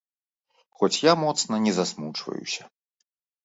Хоць я моцна не засмучваюся.